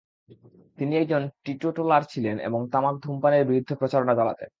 তিনি একজন টিটোটালার ছিলেন এবং তামাক ধূমপানের বিরুদ্ধে প্রচারণা চালাতেন।